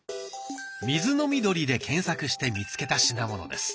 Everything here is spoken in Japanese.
「水飲み鳥」で検索して見つけた品物です。